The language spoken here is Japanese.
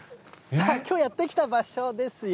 さあ、きょうやって来た場所ですよ。